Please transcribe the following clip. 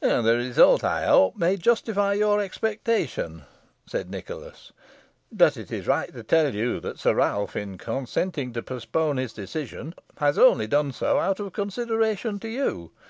"The result, I hope, may justify your expectation," said Nicholas; "but it is right to tell you, that Sir Ralph, in consenting to postpone his decision, has only done so out of consideration to you.